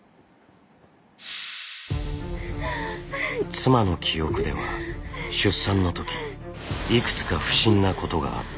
妻の記憶では出産のときいくつか不審なことがあった。